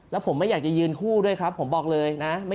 แล้วผมไม่อยากจะยืนคู่ด้วยครับผมบอกเลยนะ